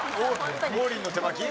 王林の手巻き？